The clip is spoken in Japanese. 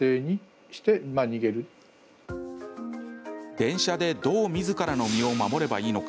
電車で、どうみずからの身を守ればいいのか。